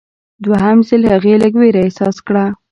دوهم ځل هغې لږ ویره احساس کړه.